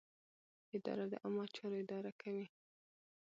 اداره د عامه چارو اداره کوي.